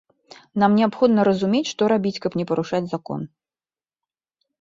Нам неабходна разумець, што рабіць, каб не парушаць закон.